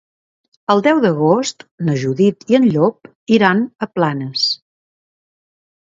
El deu d'agost na Judit i en Llop iran a Planes.